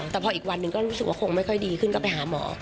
แต่พออีกวันหนึ่งก็รู้สึกว่าคงไม่ค่อยดีขึ้นก็ไปหาหมอ